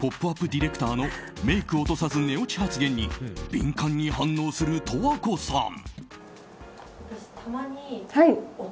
ディレクターのメイク落とさず寝落ち発言に敏感に反応する十和子さん。